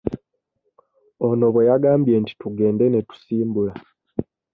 Ono bwe yagambye nti tugende ne tusimbula.